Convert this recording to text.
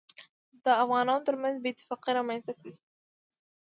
دافغانانوترمنځ بې اتفاقي رامنځته کړي